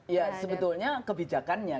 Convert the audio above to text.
ya sebetulnya kebijakannya